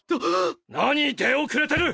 何出遅れてる！